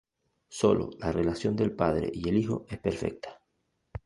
Sólo la relación del padre y el hijo es perfecta.